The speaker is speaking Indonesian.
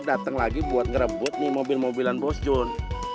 dateng lagi buat ngerebut nih mobil mobilan bos jun